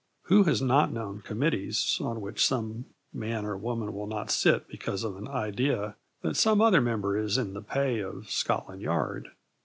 Who has not known committees on which some man or woman will not sit because of an idea that some other member is in the pay of Scotland Yard?